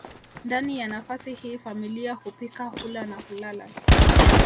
Ndani ya nafasi hii familia hupika hula na hulala